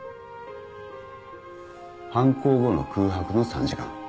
犯行後の空白の３時間。